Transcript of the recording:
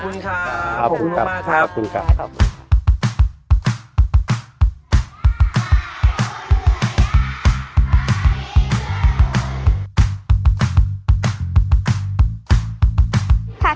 วันนี้นะครับหนึ่งวันเต็มเต็มนะครับกับการที่มาลองทดลองเรียนแบบน้องน้องนะครับ